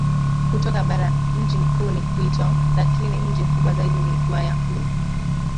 kutoka baraMji mkuu ni Quito lakini mji mkubwa zaidi ni Guayaquil